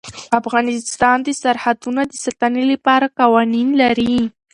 افغانستان د سرحدونه د ساتنې لپاره قوانین لري.